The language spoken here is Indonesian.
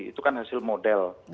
itu kan hasil model